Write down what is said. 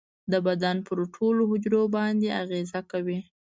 د بدن پر ټولو حجرو باندې اغیزه کوي.